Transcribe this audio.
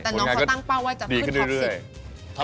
แต่น้องเขาตั้งเป้าว่าจะขึ้นท็อป๑๐